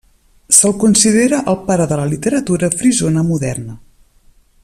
Se'l considera el pare de la literatura frisona moderna.